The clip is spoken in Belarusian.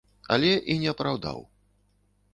Але і не апраўдаў.